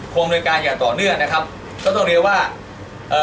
อำนวยการอย่างต่อเนื่องนะครับก็ต้องเรียกว่าเอ่อ